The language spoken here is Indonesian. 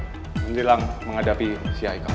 yang terakhir adalah menghadapi si haikal